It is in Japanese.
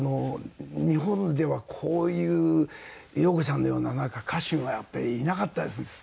日本ではこういう陽子ちゃんのような歌手はやっぱりいなかったです。